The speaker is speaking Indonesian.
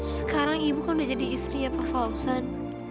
sekarang ibu kan udah jadi istrinya pak fauzan